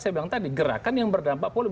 saya bilang tadi gerakan yang berdampak politik